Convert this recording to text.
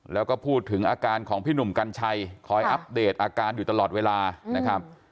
แล้วก็พูดถึงอาการของพี่หนุ่มกัญชัยคอยอัปเดตอาการอยู่ตลอดเวลานะครับ